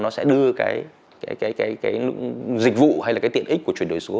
nó sẽ đưa cái dịch vụ hay là cái tiện ích của chuyển đổi số